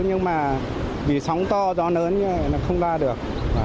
nhưng mà vì sóng to gió lớn như vậy là không ba được